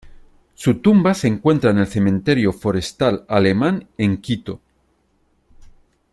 Su tumba se encuentra en el cementerio forestal alemán en Quito.